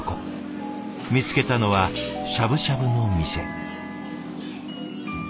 見つけたのはしゃぶしゃぶの店。